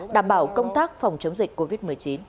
đảm bảo công tác phòng chống dịch covid một mươi chín